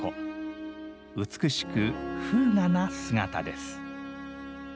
美しく風雅な姿です。